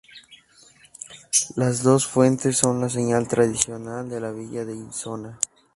Las dos fuentes son la señal tradicional de la villa de Isona.